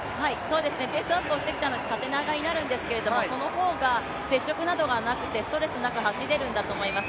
ペースアップをしてきたので縦長になるんですけど、その方が接触などがなくてストレスなく走れるんだと思います。